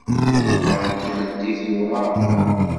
Lexbaṛ n tmeddit yewɛeṛ.